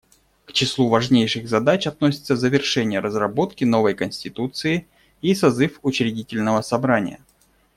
К числу важнейших задач относятся завершение разработки новой конституции и созыв учредительного собрания.